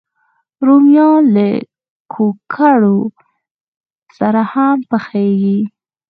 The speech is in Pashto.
رومیان له کوکرو سره هم پخېږي